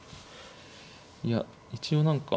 いや一応何か。